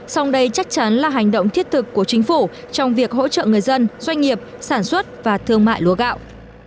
song đây chắc chắn là hành động thiết thực của chính phủ trong việc hỗ trợ người dân doanh nghiệp sản xuất và thương mại lúa gạo